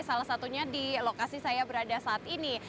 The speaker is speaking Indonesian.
salah satunya di lokasi saya berada saat ini